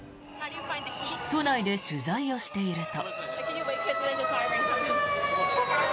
都内で取材をしていると。